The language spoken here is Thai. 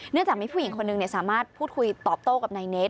จากมีผู้หญิงคนหนึ่งสามารถพูดคุยตอบโต้กับนายเนส